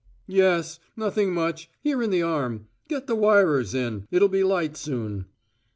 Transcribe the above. "Yes. Nothing much here in the arm. Get the wirers in. It'll be light soon."